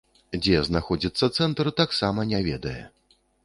Дзе знаходзіцца цэнтр, таксама не ведае.